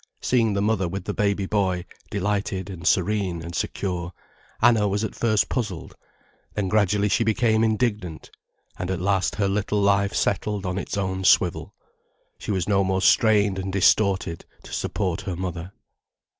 Seeing the mother with the baby boy, delighted and serene and secure, Anna was at first puzzled, then gradually she became indignant, and at last her little life settled on its own swivel, she was no more strained and distorted to support her mother.